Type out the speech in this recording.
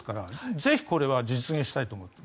ぜひ、これは実現したいと思っています。